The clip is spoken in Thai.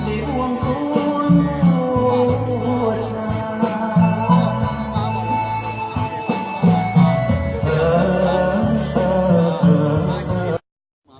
เอาอย่างบอกอย่างบอก